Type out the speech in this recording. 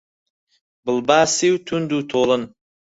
بڵباسی و توند و تۆڵن